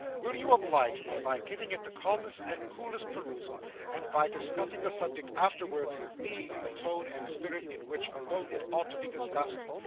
Will you oblige me by giving it the calmest and coolest perusal, and by discussing the subject afterwards with me, in the tone and spirit in which alone it ought to be discussed?